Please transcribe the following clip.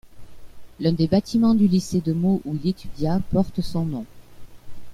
L'un des bâtiments du lycée de Meaux où il étudia porte son nom.